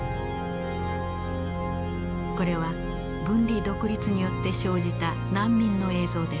これは分離独立によって生じた難民の映像です。